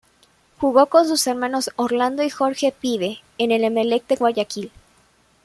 Jugó con sus hermanos Orlando y Jorge "Pibe" en el Emelec de Guayaquil.